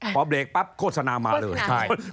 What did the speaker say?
พอเบลกปั๊บโฆษณามาเลยคนพูดว่าเอ๊ะ